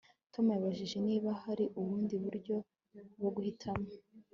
Tom yabajije niba hari ubundi buryo bwo guhitamo